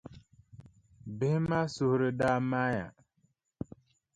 Bihi maa suhiri daa maaya.